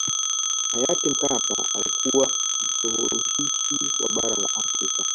hayati mkapa alikuwa msuluhishi wa bara la afrika